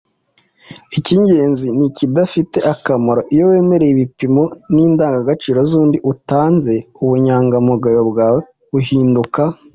icy'ingenzi n'ikidafite akamaro iyo wemeye ibipimo n'indangagaciro z'undi utanze ubunyangamugayo bwawe uhinduka